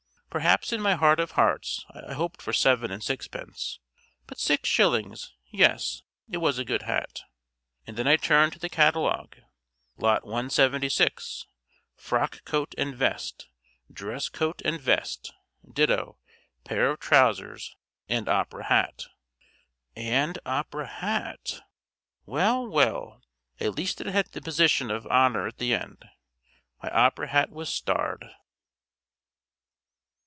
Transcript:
"Perhaps in my heart of hearts I hoped for seven and sixpence, but six shillings yes, it was a good hat." And then I turned to the catalogue. "Lot 176 Frock coat and vest, dress coat and vest, ditto, pair of trousers and opera hat." "And opera hat." Well, well. At least it had the position of honour at the end. My opera hat was starred.